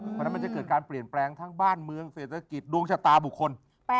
เพราะฉะนั้นมันจะเกิดการเปลี่ยนแปลงทั้งบ้านเมืองเศรษฐกิจดวงชะตาบุคคล